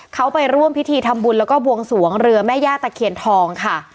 เขาไปร่วมพิธีทำบุญแล้วก็บวงสวงเรือแม่ย่าตะเคียนทองค่ะ